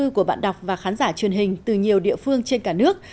thư của bạn đọc và khán giả truyền hình từ nhiều địa phương trên cả nước